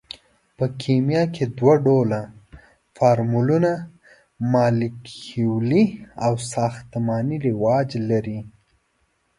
په کیمیا کې دوه ډوله فورمولونه مالیکولي او ساختماني رواج لري.